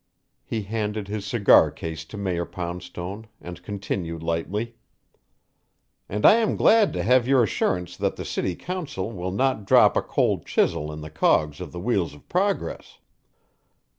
He handed his cigar case to Mayor Poundstone and continued lightly: "And I am glad to have your assurance that the city council will not drop a cold chisel in the cogs of the wheels of progress."